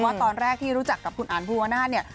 ว่าตอนแรกที่รู้จักกับคุณอ่านภูมิว่าหน้า